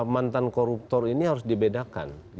mantan koruptor ini harus dibedakan